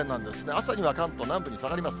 朝には関東南部に下がります。